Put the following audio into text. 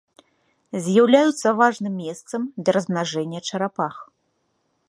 З'яўляюцца важным месцам для размнажэння чарапах.